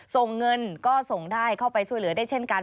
ส่งเงินก็ส่งได้เข้าไปช่วยเหลือได้เช่นกัน